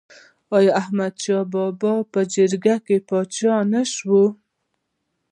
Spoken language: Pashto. آیا احمد شاه بابا په جرګه پاچا نه شو؟